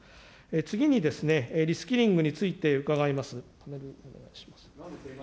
次にですね、リスキリングについて伺います。